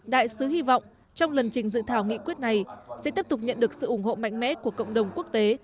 đại sứ hy vọng trong lần trình dự thảo nghị quyết này sẽ tiếp tục nhận được sự ủng hộ mạnh mẽ của cộng đồng quốc tế